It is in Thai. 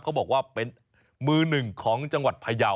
เขาบอกว่าเป็นมือหนึ่งของจังหวัดพยาว